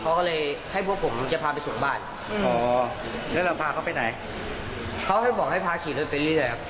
เขาก็เลยให้พวกผมจะพาไปส่งบ้านอ๋อแล้วเราพาเขาไปไหนเขาให้บอกให้พาขี่รถไปเรื่อยครับ